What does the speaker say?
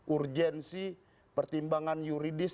urgensi pertimbangan yuridis